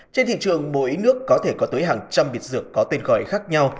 trên thị trường mỗi nước có thể có tới hàng trăm biệt dược có tên gọi khác nhau